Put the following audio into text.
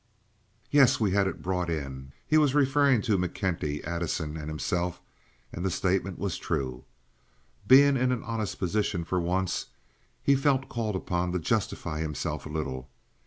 "Yes, we had it brought in." He was referring to McKenty, Addison, and himself, and the statement was true. Being in an honest position for once, he felt called upon to justify himself a little.